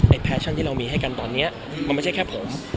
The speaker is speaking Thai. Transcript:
แฟชั่นที่เรามีให้กันตอนนี้มันไม่ใช่แค่ผม